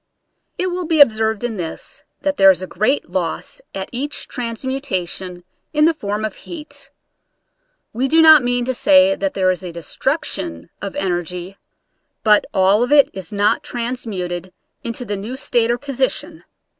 It will be observed in this, that there is a great loss at each transmutation in the form of heat. We do not mean to say that there is a destruction of energy, but all of it is not transmuted into the new state or position.